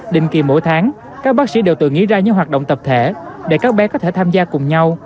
định kỳ mỗi tháng các bác sĩ đều tự nghĩ ra những hoạt động tập thể để các bé có thể tham gia cùng nhau